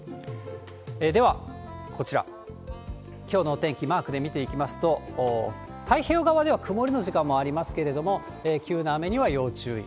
では、こちら、きょうのお天気、マークで見ていきますと、太平洋側では曇りの時間もありますけれども、急な雨には要注意。